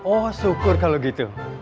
oh syukur kalau gitu